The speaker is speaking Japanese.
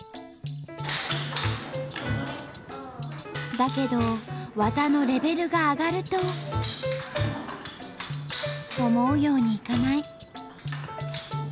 だけど技のレベルが上がると思うようにいかない。